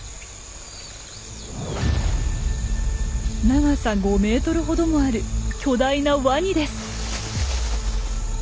長さ５メートルほどもある巨大なワニです！